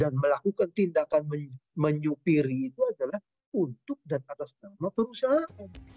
dan melakukan tindakan menyupiri itu adalah untuk dan atas nama perusahaan